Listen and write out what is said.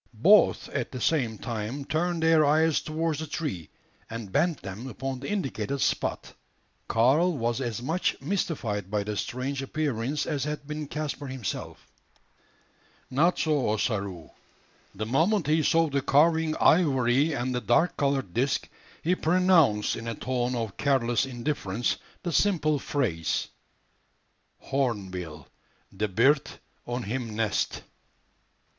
Both at the same time turned their eyes towards the tree, and bent them upon the indicated spot. Karl was as much mystified by the strange appearance as had been Caspar himself. Not so Ossaroo. The moment he saw the carving ivory and the dark coloured disc, he pronounced, in a tone of careless indifference, the simple phrase, "Hornbill de bird on him nest."